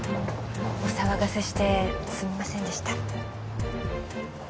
お騒がせしてすみませんでした。